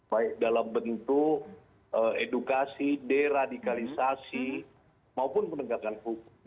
baik dalam bentuk edukasi deradikalisasi maupun penegakan hukum